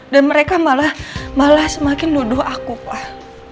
mereka malah semakin nuduh aku pak